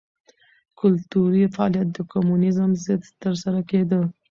کلتوري فعالیت د کمونېزم ضد ترسره کېده.